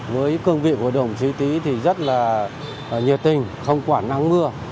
với cương vị của đồng chí tý thì rất là nhiệt tình không quản nắng mưa